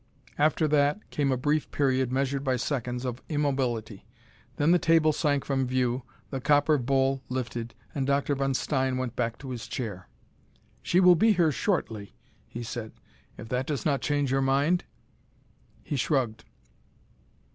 After that came a brief period, measured by seconds, of immobility. Then the table sank from view, the copper bowl lifted, and Dr. von Stein went back to his chair. "She will be here shortly," he said. "If that does not change your mind...." He shrugged.